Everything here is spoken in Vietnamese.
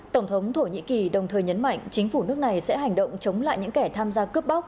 tổng thống thổ nhĩ kỳ đồng thời nhấn mạnh chính phủ nước này sẽ hành động chống lại những kẻ tham gia cướp bóc